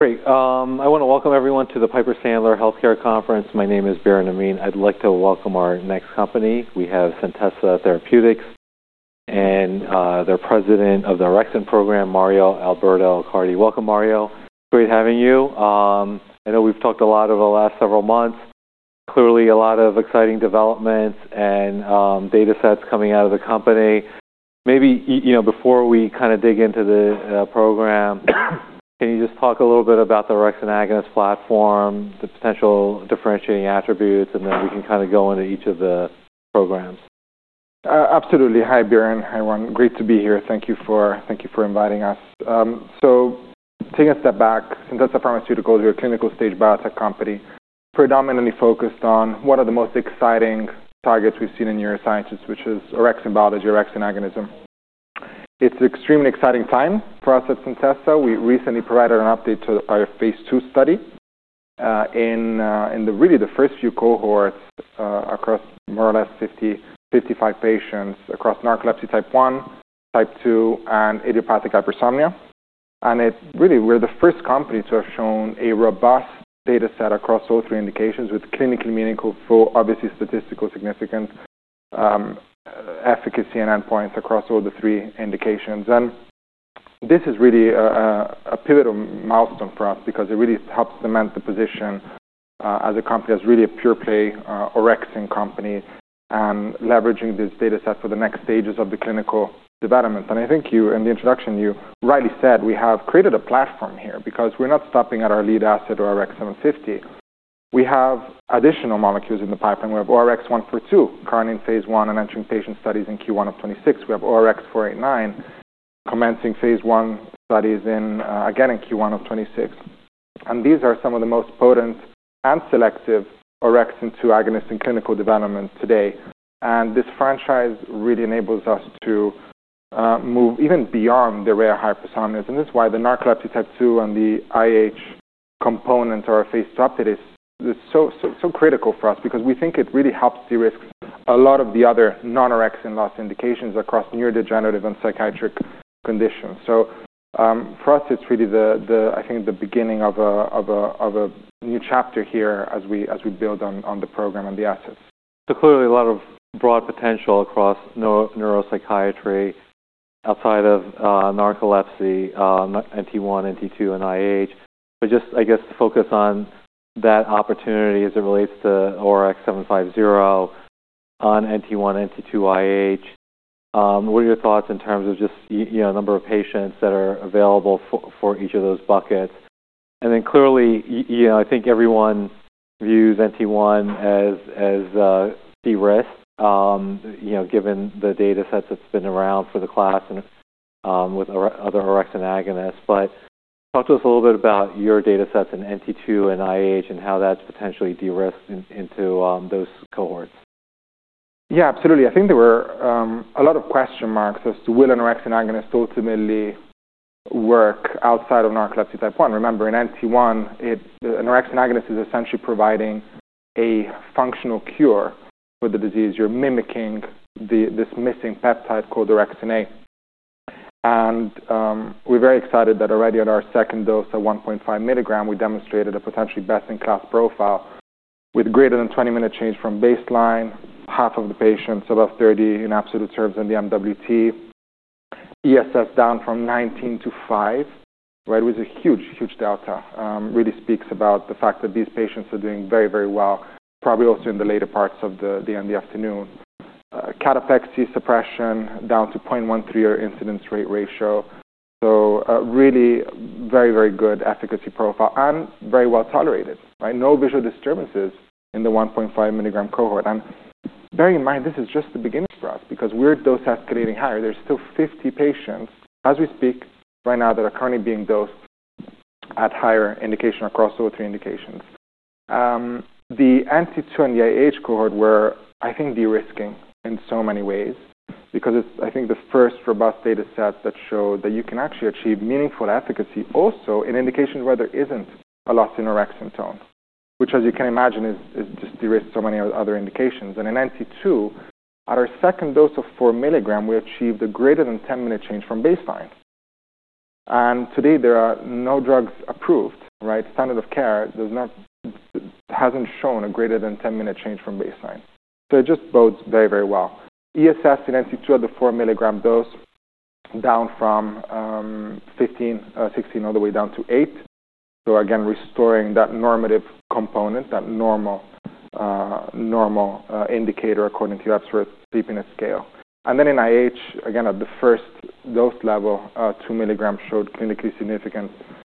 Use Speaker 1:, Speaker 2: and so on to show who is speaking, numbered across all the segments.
Speaker 1: Great. I want to welcome everyone to the Piper Sandler Healthcare Conference. My name is Biren Amin. I'd like to welcome our next company. We have Centessa Pharmaceuticals and their President of the Orexin program, Mario Alberto Accardi. Welcome, Mario. Great having you. I know we've talked a lot over the last several months. Clearly, a lot of exciting developments and data sets coming out of the company. Maybe you know, before we kinda dig into the program, can you just talk a little bit about the Orexin Agonist platform, the potential differentiating attributes, and then we can kinda go into each of the programs?
Speaker 2: Absolutely. Hi, Baron. Hi, Ron. Great to be here. Thank you for inviting us. Taking a step back, Centessa Pharmaceuticals is a clinical-stage biotech company predominantly focused on what are the most exciting targets we've seen in neurosciences, which is orexin biology, orexin agonism. It's an extremely exciting time for us at Centessa. We recently provided an update to our phase II study, in the first few cohorts, across more or less 50, 55 patients across narcolepsy type 1, type 2, and idiopathic hypersomnia. And it really, we're the first company to have shown a robust data set across all three indications with clinically meaningful, obviously statistical significance, efficacy and endpoints across all three indications. And this is really a pivotal milestone for us because it really helps cement the position, as a company, as really a pure play, orexin company and leveraging this data set for the next stages of the clinical development. And I think you, in the introduction, you rightly said, we have created a platform here because we're not stopping at our lead asset, ORX750. We have additional molecules in the pipeline. We have ORX142 currently in phase I and entering patient studies in Q1 of 2026. We have ORX489 commencing phase I studies in, again in Q1 of 2026. And these are some of the most potent and selective orexin 2 agonists in clinical development today. And this franchise really enables us to move even beyond the rare hypersomnias. This is why the narcolepsy type 2 and the IH components are a phase II update. It's so critical for us because we think it really helps de-risk a lot of the other non-orexin loss indications across neurodegenerative and psychiatric conditions. For us, it's really, I think, the beginning of a new chapter here as we build on the program and the assets.
Speaker 1: So clearly, a lot of broad potential across neuropsychiatry outside of narcolepsy, NT1, NT2, and IH. But just, I guess, to focus on that opportunity as it relates to ORX750 on NT1, NT2, IH. What are your thoughts in terms of just, you know, number of patients that are available for each of those buckets? And then clearly, you know, I think everyone views NT1 as de-risked, you know, given the data sets that's been around for the class and with other orexin agonists. But talk to us a little bit about your data sets in NT2 and IH and how that's potentially de-risked into those cohorts.
Speaker 2: Yeah, absolutely. I think there were a lot of question marks as to will an orexin agonist ultimately work outside of narcolepsy type 1. Remember, in NT1, an orexin agonist is essentially providing a functional cure for the disease. You're mimicking this missing peptide called orexin A. And, we're very excited that already on our second dose of 1.5 mg, we demonstrated a potentially best-in-class profile with greater than 20-minute change from baseline, half of the patients above 30 in absolute terms in the MWT. ESS down from 19 to five, right, was a huge, huge delta. Really speaks about the fact that these patients are doing very, very well, probably also in the later parts of the end of the afternoon. Cataplexy suppression down to 0.13x incidence rate ratio. So, really very, very good efficacy profile and very well tolerated, right? No visual disturbances in the 1.5 mg cohort. Bearing in mind, this is just the beginning for us because we're dose-escalating higher. There's still 50 patients as we speak right now that are currently being dosed at higher indication across all three indications. The NT2 and the IH cohort were, I think, de-risking in so many ways because it's, I think, the first robust data set that showed that you can actually achieve meaningful efficacy also in indications where there isn't a loss in orexin tone, which, as you can imagine, is just de-risked so many other indications. And in NT2, at our second dose of 4 mg, we achieved a greater than 10-minute change from baseline. And today, there are no drugs approved, right? Standard of care does not have shown a greater than 10-minute change from baseline. So it just bodes very, very well. ESS in NT2 at the 4 mg dose down from fifteen, sixteen all the way down to eight. So again, restoring that normative component, that normal indicator according to Epworth Sleepiness Scale. And then in IH, again, at the first dose level, 2 mg showed clinically significant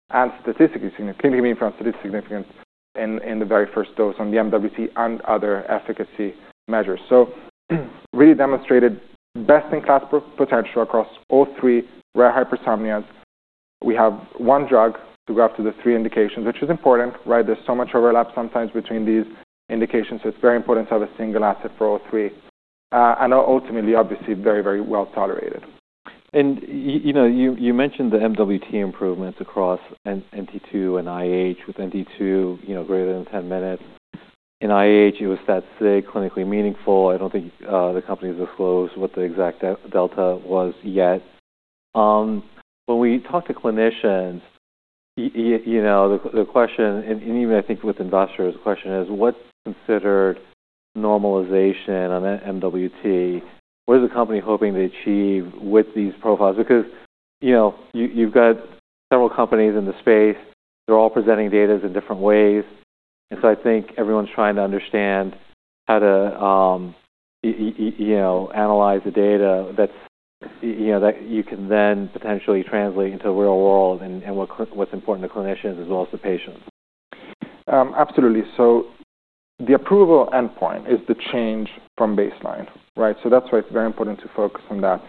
Speaker 2: and statistically significant clinically meaningful and statistically significant in the very first dose on the MWT and other efficacy measures. So really demonstrated best-in-class pro-potential across all three rare hypersomnias. We have one drug to go after the three indications, which is important, right? There's so much overlap sometimes between these indications. So it's very important to have a single asset for all three, and ultimately, obviously, very, very well tolerated.
Speaker 1: And you know, you mentioned the MWT improvements across NT2 and IH with NT2, you know, greater than 10 minutes. In IH, it was that significant, clinically meaningful. I don't think the company has disclosed what the exact delta was yet. When we talk to clinicians, you know, the question and even I think with investors, the question is, what's considered normalization on MWT? What is the company hoping to achieve with these profiles? Because, you know, you've got several companies in the space. They're all presenting data in different ways. And so I think everyone's trying to understand how to, you know, analyze the data that's, you know, that you can then potentially translate into the real world and, and what's important to clinicians as well as to patients.
Speaker 2: Absolutely, so the approval endpoint is the change from baseline, right? So that's why it's very important to focus on that,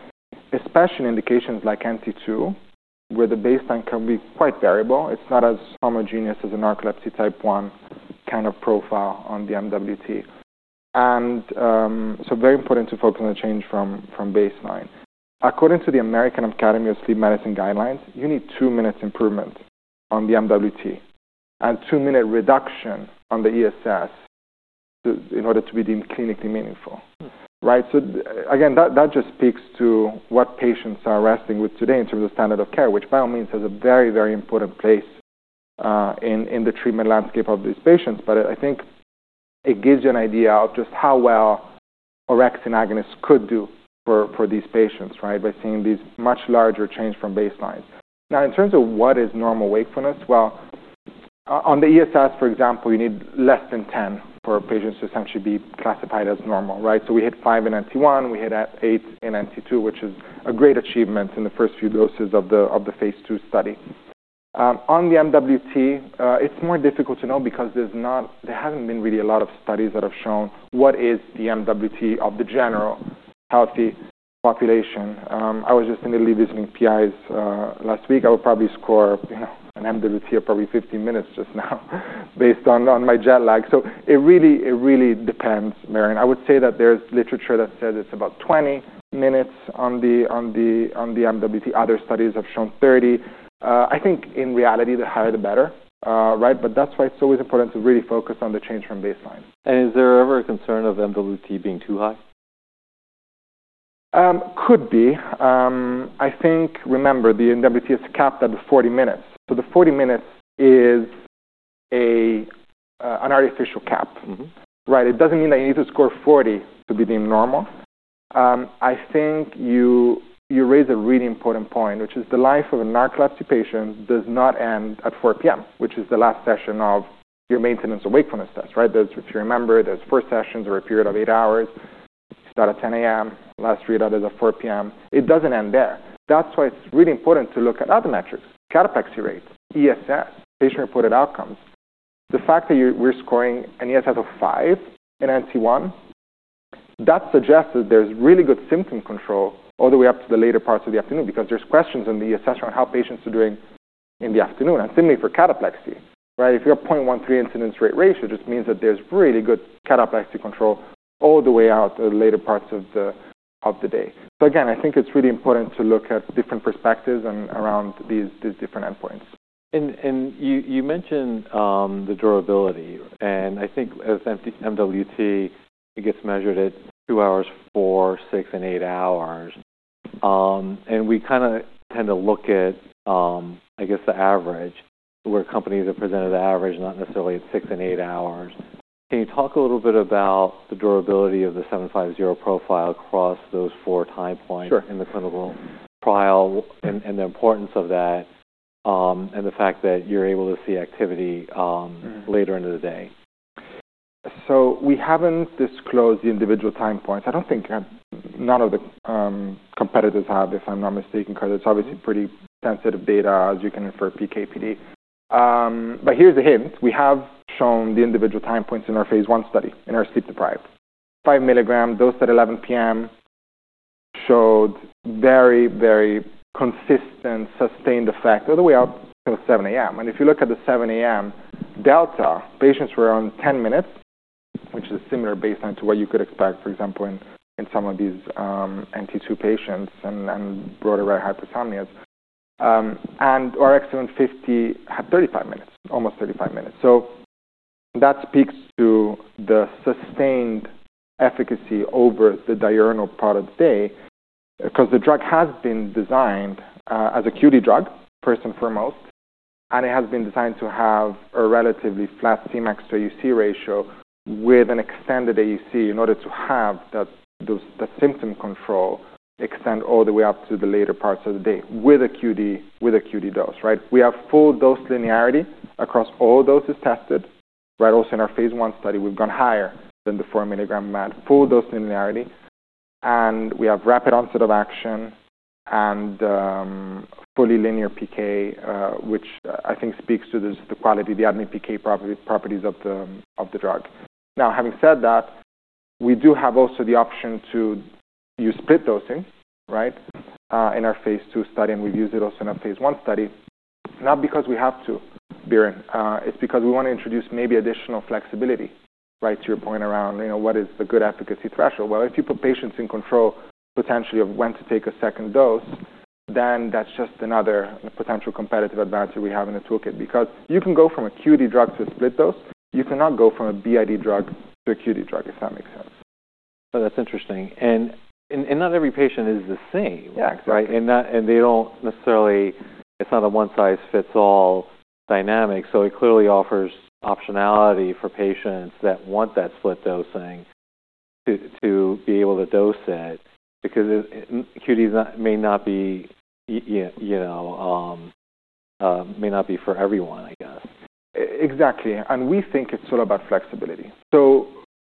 Speaker 2: especially in indications like NT2 where the baseline can be quite variable. It's not as homogeneous as a narcolepsy type 1 kind of profile on the MWT, and so very important to focus on the change from, from baseline. According to the American Academy of Sleep Medicine Guidelines, you need two minutes improvement on the MWT and two-minute reduction on the ESS in order to be deemed clinically meaningful, right, so again, that, that just speaks to what patients are wrestling with today in terms of standard of care, which by all means has a very, very important place, in, in the treatment landscape of these patients. But I think it gives you an idea of just how well orexin agonists could do for these patients, right, by seeing these much larger change from baselines. Now, in terms of what is normal wakefulness, well, on the ESS, for example, you need less than 10 for patients to essentially be classified as normal, right? So we hit five in NT1. We hit eight in NT2, which is a great achievement in the first few doses of the phase II study. On the MWT, it's more difficult to know because there hasn't been really a lot of studies that have shown what is the MWT of the general healthy population. I was just in Italy visiting PIs last week. I would probably score, you know, an MWT of probably 15 minutes just now based on my jet lag. So it really depends, Biren. I would say that there's literature that says it's about 20 minutes on the MWT. Other studies have shown 30. I think in reality, the higher the better, right? But that's why it's always important to really focus on the change from baseline.
Speaker 1: Is there ever a concern of MWT being too high?
Speaker 2: Could be. I think, remember, the MWT is capped at the 40 minutes. So the 40 minutes is a, an artificial cap, right? It doesn't mean that you need to score 40 to be deemed normal. I think you raise a really important point, which is the life of a narcolepsy patient does not end at 4:00 P.M., which is the last session of your maintenance of wakefulness test, right? There are four sessions, if you remember, over a period of eight hours. You start at 10:00 A.M. Last readout is at 4:00 P.M. It doesn't end there. That's why it's really important to look at other metrics: cataplexy rate, ESS, patient-reported outcomes. The fact that you're scoring an ESS of five in NT1, that suggests that there's really good symptom control all the way up to the later parts of the afternoon because there's questions in the ESS around how patients are doing in the afternoon. And similarly for cataplexy, right? If you're a 0.13 incidence rate ratio, it just means that there's really good cataplexy control all the way out to the later parts of the day. So again, I think it's really important to look at different perspectives and around these different endpoints.
Speaker 1: You mentioned the durability. And I think in the NT1 MWT, I guess, measured at two hours, four, six, and eight hours. And we kinda tend to look at, I guess, the average where companies have presented the average, not necessarily at six and eight hours. Can you talk a little bit about the durability of the 750 profile across those four time points in the clinical trial and the importance of that, and the fact that you are able to see activity later into the day?
Speaker 2: So we haven't disclosed the individual time points. I don't think none of the competitors have, if I'm not mistaken, because it's obviously pretty sensitive data, as you can infer PKPD. But here's a hint. We have shown the individual time points in our phase I study in our sleep-deprived 5 mg dose at 11:00 P.M. showed very, very consistent sustained effect all the way out till 7:00 A.M. And if you look at the 7:00 A.M. delta, patients were on 10 minutes, which is a similar baseline to what you could expect, for example, in some of these NT2 patients and broader rare hypersomnias. And ORX750 had 35 minutes, almost 35 minutes. So that speaks to the sustained efficacy over the diurnal part of the day because the drug has been designed, as a QD drug, first and foremost, and it has been designed to have a relatively flat Cmax to AUC ratio with an extended AUC in order to have that symptom control extend all the way up to the later parts of the day with a QD with a QD dose, right? We have full dose linearity across all doses tested, right? Also in our phase I study, we've gone higher than the 4 mg MAD, full dose linearity. And we have rapid onset of action and fully linear PK, which I think speaks to just the quality of the ADME PK properties of the drug. Now, having said that, we do have also the option to use split dosing, right, in our phase II study, and we've used it also in our phase I study, not because we have to, Biren. It's because we want to introduce maybe additional flexibility, right, to your point around, you know, what is the good efficacy threshold? Well, if you put patients in control potentially of when to take a second dose, then that's just another potential competitive advantage we have in the toolkit because you can go from a QD drug to a split dose. You cannot go from a BID drug to a QD drug, if that makes sense.
Speaker 1: Oh, that's interesting, and not every patient is the same, right?
Speaker 2: Yeah, exactly.
Speaker 1: They don't necessarily. It's not a one-size-fits-all dynamic, so it clearly offers optionality for patients that want that split dosing to be able to dose it because it QDs may not be, you know, may not be for everyone, I guess.
Speaker 2: Exactly. And we think it's all about flexibility. So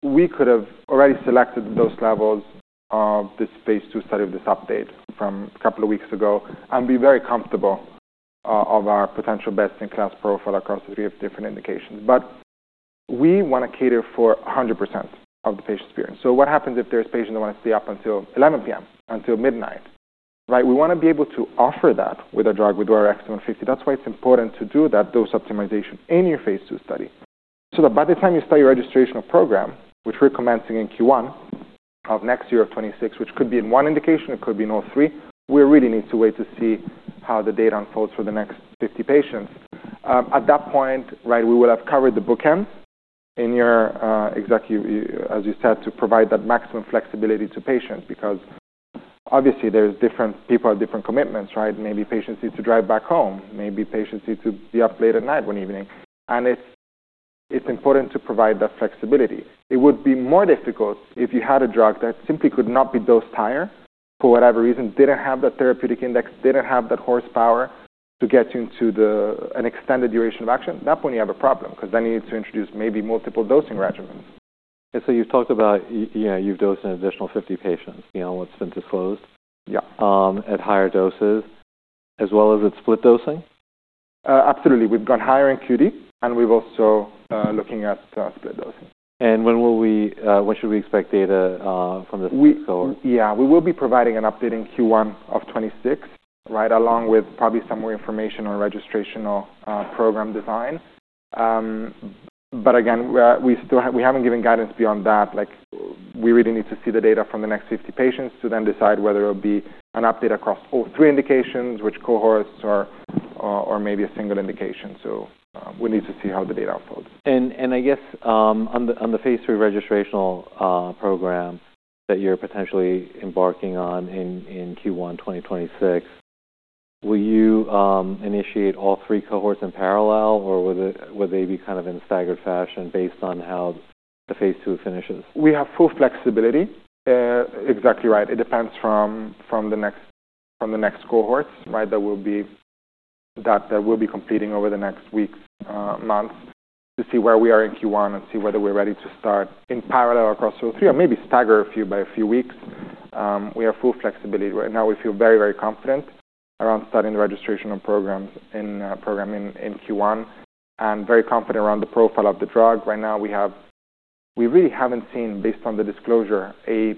Speaker 2: we could have already selected those levels of this phase II study of this update from a couple of weeks ago and be very comfortable of our potential best-in-class profile across a range of different indications. But we want to cater for 100% of the patient's experience. So what happens if there's patients that want to stay up until 11:00 P.M., until midnight, right? We want to be able to offer that with a drug with ORX750. That's why it's important to do that dose optimization in your phase II study so that by the time you start your registration program, which we're commencing in Q1 of next year of 2026, which could be in one indication, it could be in all three, we really need to wait to see how the data unfolds for the next 50 patients. At that point, right, we will have covered the bookends in your execution as you said, to provide that maximum flexibility to patients because obviously there's different people have different commitments, right? Maybe patients need to drive back home. Maybe patients need to be up late at night one evening. And it's, it's important to provide that flexibility. It would be more difficult if you had a drug that simply could not be dosed higher for whatever reason, didn't have that therapeutic index, didn't have that horsepower to get you into an extended duration of action. At that point, you have a problem because then you need to introduce maybe multiple dosing regimens.
Speaker 1: And so you've talked about, you know, you've dosed an additional 50 patients, you know, what's been disclosed.
Speaker 2: Yeah.
Speaker 1: At higher doses as well as at split dosing?
Speaker 2: Absolutely. We've gone higher in QD, and we've also, looking at, split dosing.
Speaker 1: When should we expect data from the [cohort]?
Speaker 2: We, we will be providing an update in Q1 of 2026, right, along with probably some more information on registrational program design. But again, we still haven't given guidance beyond that. Like, we really need to see the data from the next 50 patients to then decide whether it'll be an update across all three indications, which cohorts, or, or, or maybe a single indication. So, we need to see how the data unfolds.
Speaker 1: I guess, on the phase III registrational program that you're potentially embarking on in Q1 2026, will you initiate all three cohorts in parallel, or will they be kind of in a staggered fashion based on how the phase II finishes?
Speaker 2: We have full flexibility. Exactly right. It depends from the next cohorts, right, that we'll be completing over the next weeks, months to see where we are in Q1 and see whether we're ready to start in parallel across all three or maybe stagger a few by a few weeks. We have full flexibility. Right now, we feel very, very confident around starting the registration program in Q1 and very confident around the profile of the drug. Right now, we really haven't seen, based on the disclosure, an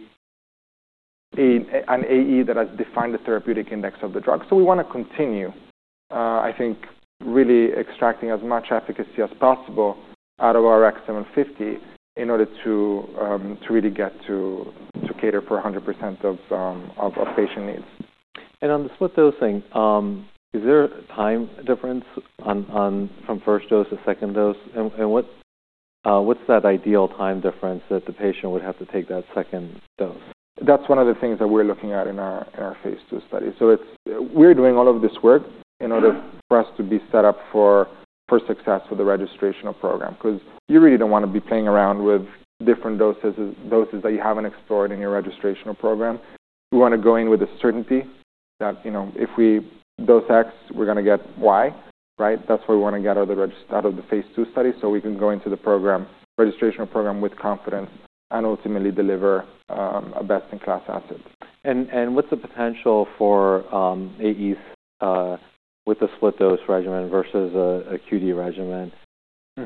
Speaker 2: AE that has defined the therapeutic index of the drug. So we want to continue, I think, really extracting as much efficacy as possible out of our ORX750 in order to really get to cater for 100% of patient needs.
Speaker 1: On the split dosing, is there a time difference on from first dose to second dose? And what is that ideal time difference that the patient would have to take that second dose?
Speaker 2: That's one of the things that we're looking at in our phase II study. So it's we're doing all of this work in order for us to be set up for success with the registration program because you really don't want to be playing around with different doses that you haven't explored in your registration program. We want to go in with a certainty that, you know, if we dose X, we're going to get Y, right? That's why we want to get out of the phase II study so we can go into the registration program with confidence and ultimately deliver a best-in-class asset.
Speaker 1: What's the potential for AEs with the split dose regimen versus a QD regimen?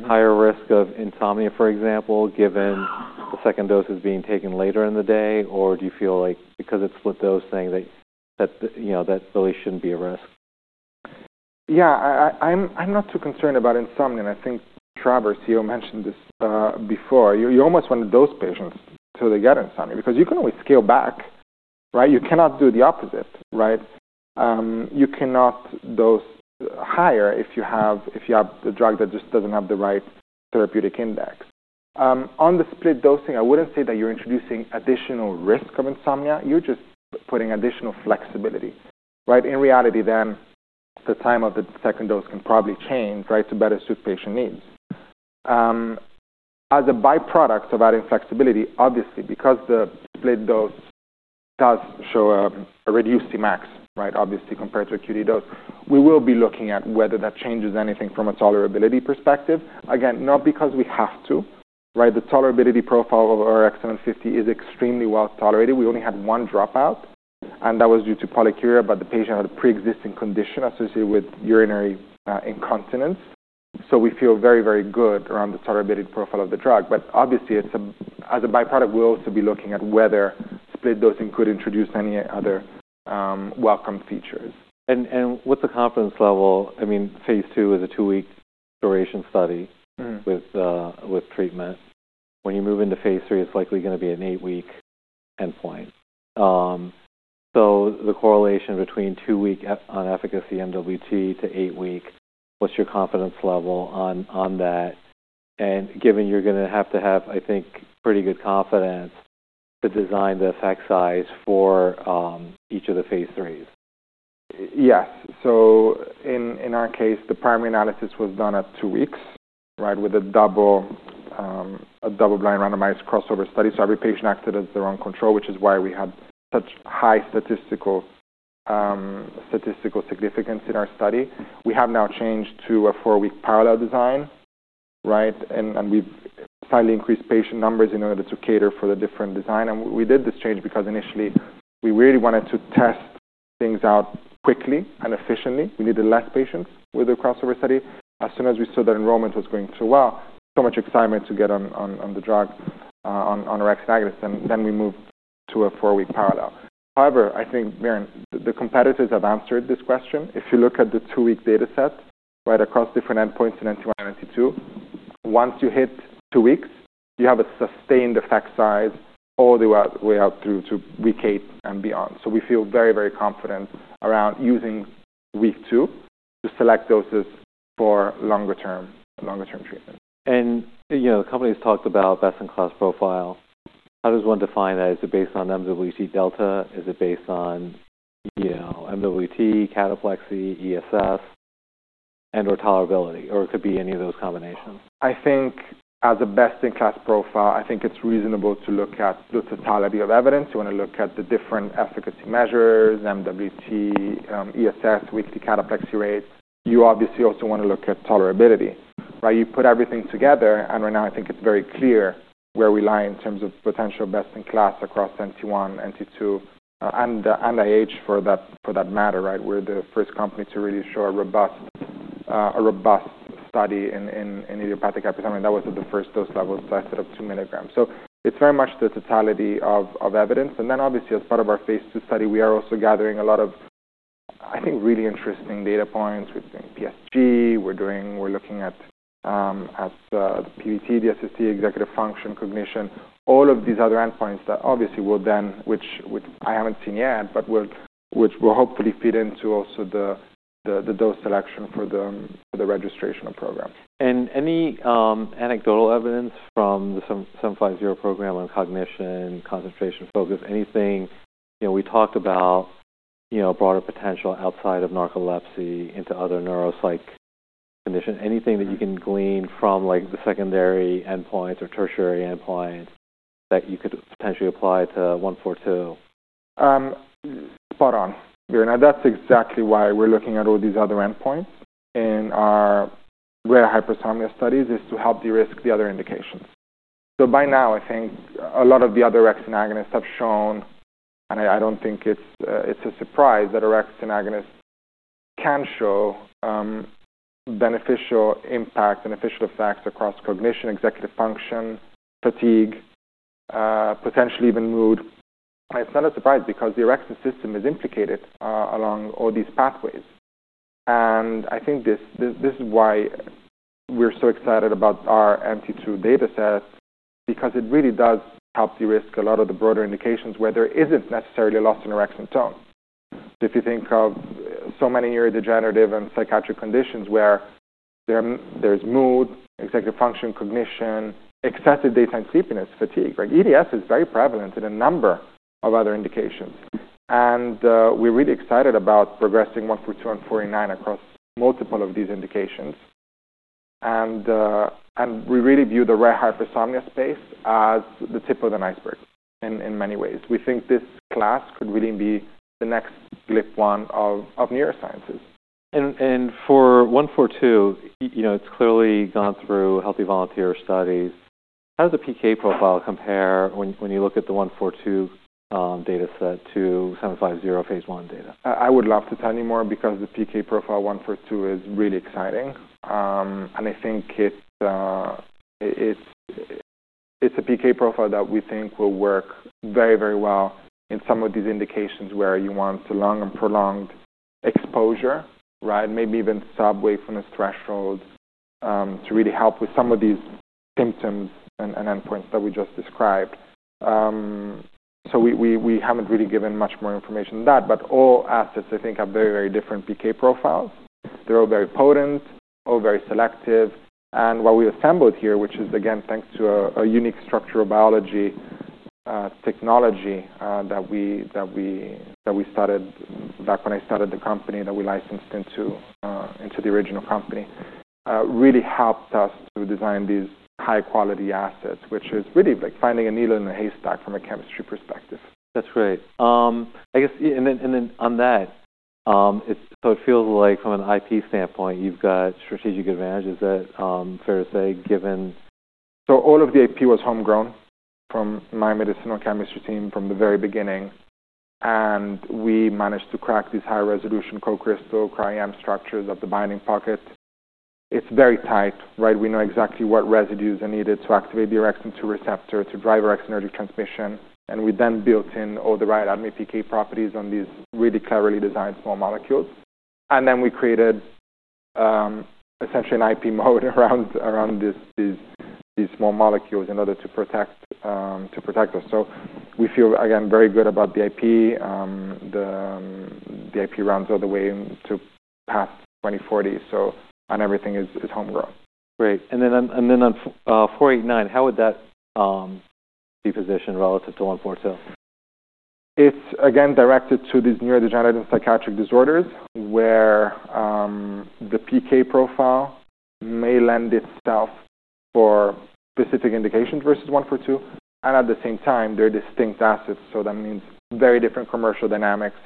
Speaker 1: Higher risk of insomnia, for example, given the second dose is being taken later in the day? Or do you feel like because it's split dosing, that you know that really shouldn't be a risk?
Speaker 2: Yeah. I'm not too concerned about insomnia. And I think, Travers, you mentioned this before. You almost want to dose patients till they get insomnia because you can always scale back, right? You cannot do the opposite, right? You cannot dose higher if you have the drug that just doesn't have the right therapeutic index. On the split dosing, I wouldn't say that you're introducing additional risk of insomnia. You're just putting additional flexibility, right? In reality, then the time of the second dose can probably change, right, to better suit patient needs. As a byproduct of adding flexibility, obviously, because the split dose does show a reduced Cmax, right, obviously, compared to a QD dose, we will be looking at whether that changes anything from a tolerability perspective. Again, not because we have to, right? The tolerability profile of ORX750 is extremely well tolerated. We only had one dropout, and that was due to polyuria, but the patient had a pre-existing condition associated with urinary incontinence. So we feel very, very good around the tolerability profile of the drug. But obviously, it's, as a byproduct, we'll also be looking at whether split dosing could introduce any other welcome features.
Speaker 1: And what's the confidence level? I mean, phase II is a two-week duration study with treatment. When you move into phase three, it's likely going to be an eight-week endpoint. So the correlation between two-week on efficacy MWT to eight-week, what's your confidence level on that? And given you're going to have to have, I think, pretty good confidence to design the effect size for each of the phase IIIs?
Speaker 2: Yes. So in our case, the primary analysis was done at two weeks, right, with a double-blind randomized crossover study. So every patient acted as their own control, which is why we had such high statistical significance in our study. We have now changed to a four-week parallel design, right? And we've slightly increased patient numbers in order to cater for the different design. And we did this change because initially, we really wanted to test things out quickly and efficiently. We needed less patients with the crossover study. As soon as we saw that enrollment was going so well, so much excitement to get on the drug, on orexin agonist, and then we moved to a four-week parallel. However, I think, Biren, the competitors have answered this question. If you look at the two-week data set, right, across different endpoints in NT1 and NT2, once you hit two weeks, you have a sustained effect size all the way, way out through to week eight and beyond. So we feel very, very confident around using week two to select doses for longer-term, longer-term treatment.
Speaker 1: You know, the company's talked about best-in-class profile. How does one define that? Is it based on MWT delta? Is it based on, you know, MWT, cataplexy, ESS, and/or tolerability, or it could be any of those combinations?
Speaker 2: I think as a best-in-class profile, I think it's reasonable to look at the totality of evidence. You want to look at the different efficacy measures, MWT, ESS, weekly cataplexy rates. You obviously also want to look at tolerability, right? You put everything together, and right now, I think it's very clear where we lie in terms of potential best-in-class across NT1, NT2, and IH for that matter, right? We're the first company to really show a robust study in idiopathic hypersomnia. That was at the first dose level, so I set up 2 mg. So it's very much the totality of evidence. And then obviously, as part of our phase II study, we are also gathering a lot of, I think, really interesting data points. We're doing PSG. We're looking at the PVT, the SSD, executive function, cognition, all of these other endpoints that obviously will then which I haven't seen yet, but will hopefully feed into also the dose selection for the registration program.
Speaker 1: Any anecdotal evidence from the 750 program on cognition, concentration, focus, anything? You know, we talked about, you know, broader potential outside of narcolepsy into other neuropsych conditions. Anything that you can glean from, like, the secondary endpoints or tertiary endpoints that you could potentially apply to 142?
Speaker 2: Spot on, Biren. And that's exactly why we're looking at all these other endpoints in our rare hypersomnia studies is to help de-risk the other indications. So by now, I think a lot of the other orexin agonists have shown, and I don't think it's a surprise that orexin agonists can show beneficial impact, beneficial effects across cognition, executive function, fatigue, potentially even mood. And it's not a surprise because the orexin system is implicated along all these pathways. And I think this is why we're so excited about our NT2 data set because it really does help de-risk a lot of the broader indications where there isn't necessarily a loss in orexin tone. So if you think of so many neurodegenerative and psychiatric conditions where there's mood, executive function, cognition, excessive daytime sleepiness, fatigue, right? EDS is very prevalent in a number of other indications. We're really excited about progressing 142 and 489 across multiple of these indications. We really view the rare hypersomnia space as the tip of the iceberg in many ways. We think this class could really be the next GLP-1 of neurosciences.
Speaker 1: For 142, you know, it's clearly gone through healthy volunteer studies. How does the PK profile compare when you look at the 142 data set to 750 phase I data?
Speaker 2: I would love to tell you more because the PK profile of 142 is really exciting and I think it's a PK profile that we think will work very, very well in some of these indications where you want a long and prolonged exposure, right, maybe even stay way above this threshold to really help with some of these symptoms and endpoints that we just described so we haven't really given much more information than that. But all assets, I think, have very, very different PK profiles. They're all very potent, all very selective. What we've assembled here, which is, again, thanks to a unique structural biology technology that we started back when I started the company that we licensed into the original company, really helped us to design these high-quality assets, which is really like finding a needle in a haystack from a chemistry perspective.
Speaker 1: That's great. I guess, and then on that, it so it feels like from an IP standpoint, you've got strategic advantages. Is that fair to say given?
Speaker 2: So all of the IP was homegrown from my medicinal chemistry team from the very beginning, and we managed to crack these high-resolution co-crystal Cryo-EM structures at the binding pocket. It's very tight, right? We know exactly what residues are needed to activate the orexin 2 receptor to drive orexinergic transmission. And we then built in all the right ADME PK properties on these really cleverly designed small molecules. And then we created essentially an IP moat around these small molecules in order to protect us. So we feel, again, very good about the IP. The IP runs all the way into past 2040, so and everything is homegrown.
Speaker 1: Great. And then on 489, how would that be positioned relative to 142?
Speaker 2: It's again directed to these neurodegenerative and psychiatric disorders where the PK profile may lend itself for specific indications versus 142, and at the same time, they're distinct assets, so that means very different commercial dynamics,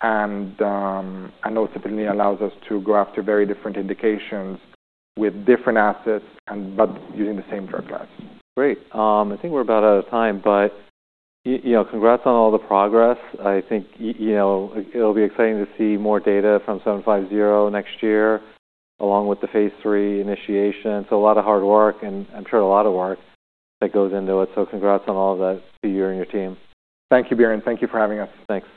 Speaker 2: and ultimately allows us to go after very different indications with different assets but using the same drug class.
Speaker 1: Great. I think we're about out of time, but, you know, congrats on all the progress. I think, you know, it'll be exciting to see more data from 750 next year along with the phase III initiation. So a lot of hard work, and I'm sure a lot of work that goes into it. So congrats on all of that to you and your team.
Speaker 2: Thank you, Biren. Thank you for having us.
Speaker 1: Thanks.